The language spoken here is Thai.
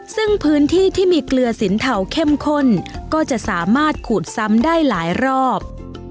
ซึ่งพื้นที่ที่มีเกลือสินเทาเข้มข้นก็จะสามารถขูดซ้ำได้หลายรอบ